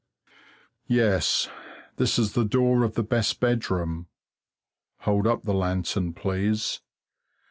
Yes this is the door of the best bedroom. Hold up the lantern, please.